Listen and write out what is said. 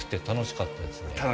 楽しかったです。